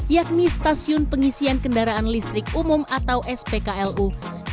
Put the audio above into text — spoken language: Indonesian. yakni stasiun pengisian kendaraan listrik umum atau spklu